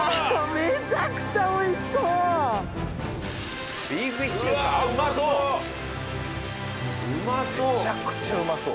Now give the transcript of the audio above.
めちゃくちゃうまそう。